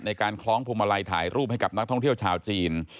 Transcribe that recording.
คล้องพวงมาลัยถ่ายรูปให้กับนักท่องเที่ยวชาวจีน